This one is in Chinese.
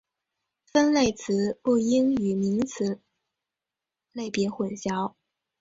分类词不应与名词类别混淆。